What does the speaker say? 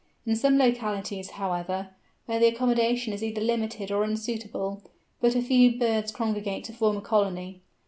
In some localities, however, where the accommodation is either limited or unsuitable, but a few birds congregate to form a colony.